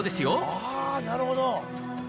ああなるほど。